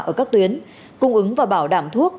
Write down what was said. ở các tuyến cung ứng và bảo đảm thuốc